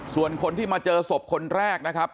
ส่วนคนที่มาเจอศพคนแรกนะครับ